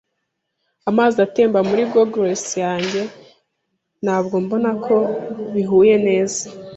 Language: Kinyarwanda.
Amazi atemba muri goggles yanjye. Ntabwo mbona ko bihuye neza.